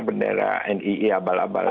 bendera nii abal abal